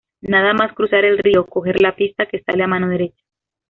Nada más cruzar el río, coger la pista que sale a mano derecha.